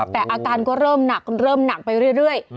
แต่อาการก็เริ่มหนักเริ่มหนักไปเรื่อย